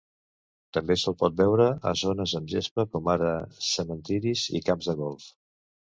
També se'l pot veure a zones amb gespa, com ara cementiris i camps de golf.